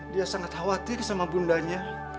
dia sangat khawatir sama bundanya